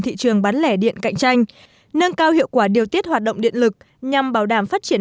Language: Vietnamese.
thị trường bán lẻ điện cạnh tranh nâng cao hiệu quả điều tiết hoạt động điện lực nhằm bảo đảm phát triển